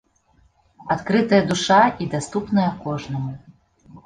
Адкрытая душа і даступная кожнаму.